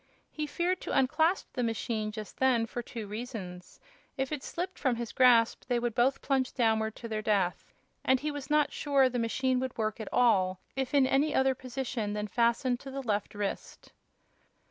He feared to unclasp the machine just then, for two reasons: if it slipped from his grasp they would both plunge downward to their death; and he was not sure the machine would work at all if in any other position than fastened to the left wrist.